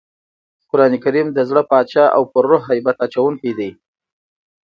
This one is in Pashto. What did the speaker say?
قرانکریم د زړه باچا او پر روح هیبت اچوونکی دئ.